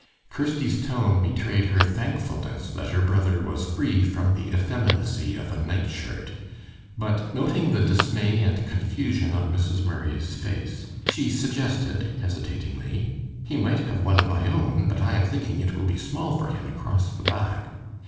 Kirsty's tone betrayed her thankfulness that her brother was free from the effeminacy of a night shirt; but noting the dismay and confusion on Mrs. Murray's face, she suggested, hesitatingly, "He might have one of my own, but I am thinking it will be small for him across the back."